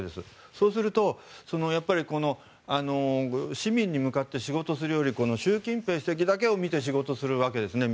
そうすると市民に向かって仕事をするより習近平主席だけを見てみんな仕事をするわけですね。